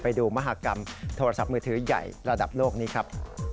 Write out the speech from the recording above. ไปดูมหากรรมโทรศัพท์มือถือใหญ่ระดับโลกนี้ครับ